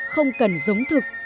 không cần giống thực